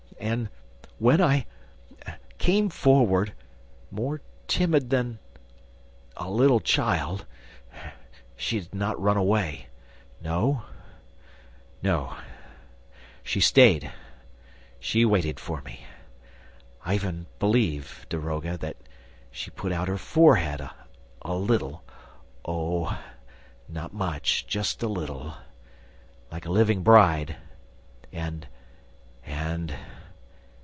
And, when I ... came forward, more timid than ... a little child, she did not run away ... no, no ... she stayed ... she waited for me ... I even believe ... daroga ... that she put out her forehead ... a little ... oh, not much ... just a little ... like a living bride ... And ... and